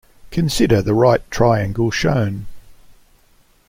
Consider the right triangle shown.